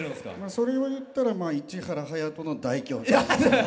それを言ったら市原隼人の大胸筋。